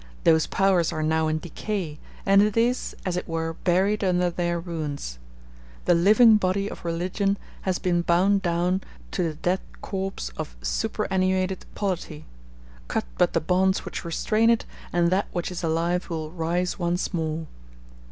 Those powers are now in decay, and it is, as it were, buried under their ruins. The living body of religion has been bound down to the dead corpse of superannuated polity: cut but the bonds which restrain it, and that which is alive will rise once more.